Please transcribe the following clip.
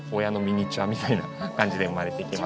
みたいな感じで生まれてきます。